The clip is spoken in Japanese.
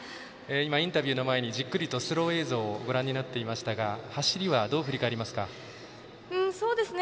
今、インタビューの前にじっくりとスロー映像をご覧になっていましたが走りはどう振り返りますか？